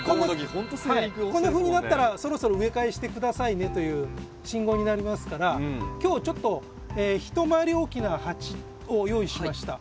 こんなふうになったらそろそろ植え替えして下さいねという信号になりますから今日ちょっと一回り大きな鉢を用意しました。